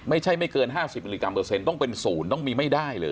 ไม่เกิน๕๐มิลลิกรัมเปอร์เซ็นต้องเป็นศูนย์ต้องมีไม่ได้เลย